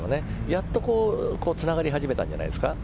やっとつながり始めたんじゃないですか。